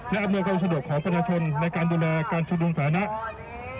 และอำนวยความสะดวกของประชาชนในการดูแลการชุมนุมสถานะ